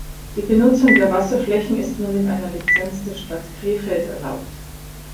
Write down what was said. Die Benutzung der Wasserflächen ist nur mit einer Lizenz der Stadt Krefeld erlaubt.